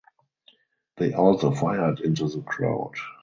They also fired into the crowd.